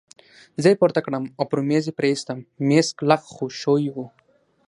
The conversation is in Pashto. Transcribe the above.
زه يې پورته کړم او پر مېز پرې ایستم، مېز کلک خو ښوی وو.